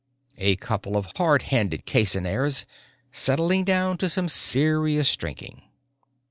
A couple of hard handed caissoniers, settling down to some serious drinking.